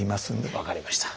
分かりました。